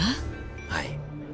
はい。